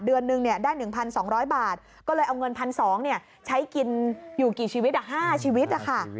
เดือนนึงได้๑๒๐๐บาทก็เลยเอาเงิน๑๒๐๐ใช้กินอยู่กี่ชีวิต๕ชีวิตค่ะ